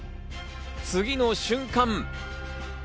次の瞬間。